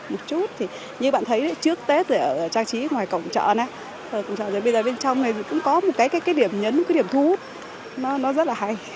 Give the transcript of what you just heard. một chút thì như bạn thấy trước tết ở trang trí ngoài cổng chợ nè bây giờ bên trong này cũng có một cái điểm nhấn cái điểm thú nó rất là hay